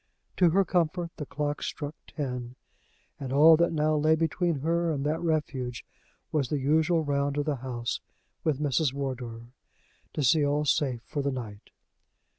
To her comfort the clock struck ten, and all that now lay between her and that refuge was the usual round of the house with Mrs. Wardour, to see all safe for the night.